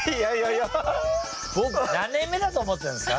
僕何年目だと思ってるんですか。